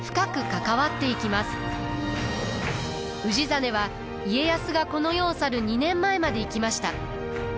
氏真は家康がこの世を去る２年前まで生きました。